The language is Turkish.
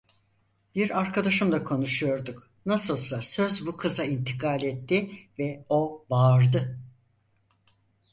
Bir arkadaşımla konuşuyorduk, nasılsa söz bu kıza intikal etti ve o bağırdı: